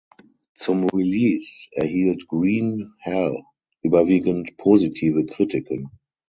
Zum Release erhielt "Green Hell" überwiegend positive Kritiken.